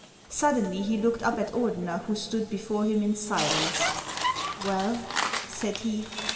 Suddenly he looked up at Ordeuer, who stood before him in silence. " Well ?" said he.